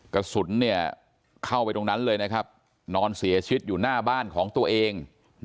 กระสุนเข้าไปตรงนั้นเลยนะครับนอนเสียชีวิตอยู่หน้าบ้านของตัวเอง